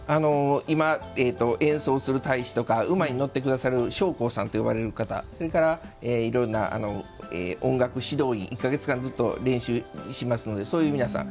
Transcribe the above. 今、演奏する隊士とか馬に乗ってくださる将校さんと呼ばれる方それから、いろんな音楽指導員１か月間、ずっと練習しますのでそういう皆さん。